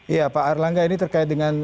iya pak erlangga ini terkait dengan